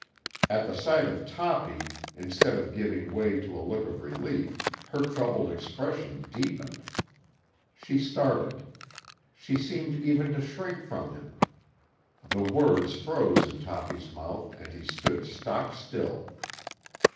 At the sight of Toppy, instead of giving way to a look of relief, her troubled expression deepened. She started. She seemed even to shrink from him. The words froze in Toppy's mouth and he stood stock still.